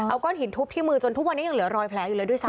เอาก้อนหินทุบที่มือจนทุกวันนี้ยังเหลือรอยแผลอยู่เลยด้วยซ้